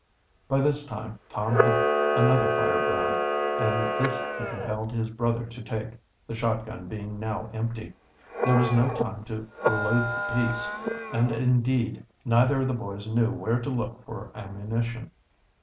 By this time Tom had another firebrand, and this he compelled his brother to take, the shotgun being now empty. There was no time to reload the piece, and indeed, neither of the boys knew where to look for ammunition.